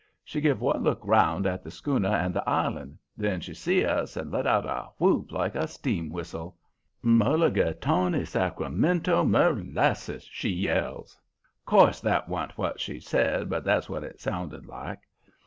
She give one look round at the schooner and the island. Then she see us and let out a whoop like a steam whistle. "'Mulligatawny Sacremento merlasess!' she yells. 'Course that wa'n't what she said, but that's what it sounded like.